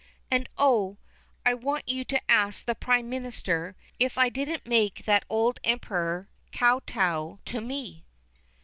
And oh! I want you to ask the Prime Minister if I didn't make that old Emperor kow tow to me."